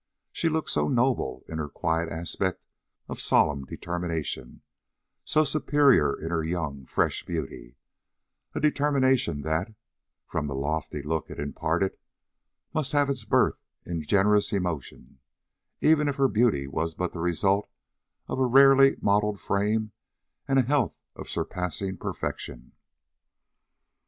She looked so noble in her quiet aspect of solemn determination, so superior in her young, fresh beauty a determination that, from the lofty look it imparted, must have its birth in generous emotion, even if her beauty was but the result of a rarely modelled frame and a health of surpassing perfection.